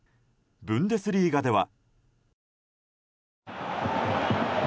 ブンデスリーガでは。